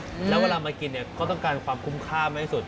แล้วเวลามากินเนี่ยก็ต้องการความคุ้มค่ามากที่สุด